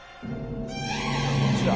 「そっちだ」